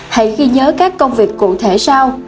hãy ghi nhớ các công việc cụ thể sau